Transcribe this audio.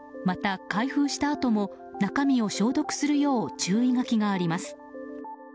また、開封したあとも中身を消毒するよう注意書きがあります。